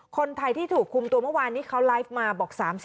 คนไทยที่ถูกคุมตัวเมื่อวานนี้เขาไลฟ์มาบอก๓๐